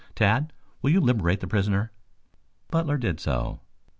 Tad, will you liberate the prisoner?" Butler did so.